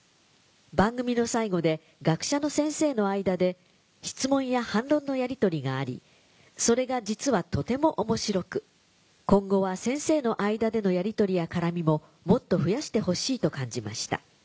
番組の最後で学者の先生の間で質問や反論のやりとりがありそれが実はとても面白く今後は先生の間でのやりとりや絡みももっと増やしてほしいと感じました」。